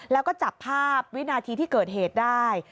แล้วก็จับภาพวินาทีที่เกิดเหตุได้